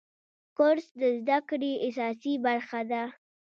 کورس د زده کړې اساسي برخه ده.